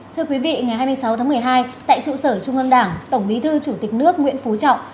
thưa quý vị ngày hai mươi sáu tháng một mươi hai tại trụ sở trung ương đảng tổng bí thư chủ tịch nước nguyễn phú trọng